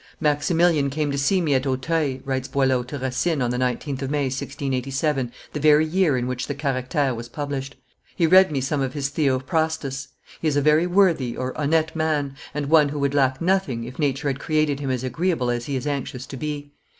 "Maximilian came to see me at Auteuil," writes Boileau to Racine on the 19th of May, 1687, the very year in which the Caracteres was published; "he read me some of his Theophrastus. He is a very worthy (honnete) man, and one who would lack nothing, if nature had created him as agreeable as he is anxious to be.